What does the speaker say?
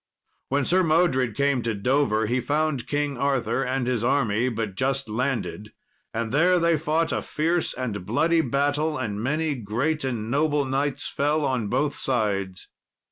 When Sir Modred came to Dover, he found King Arthur and his army but just landed; and there they fought a fierce and bloody battle, and many great and noble knights fell on both sides.